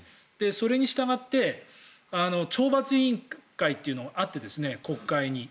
それにしたがって懲罰委員会というのがあって国会に。